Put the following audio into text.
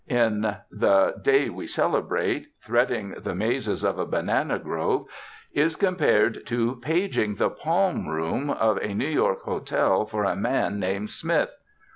In the "Day We Celebrate," threading the mazes of a banana grove is compared to "paging the palm room of a New York hotel for a man named Smith."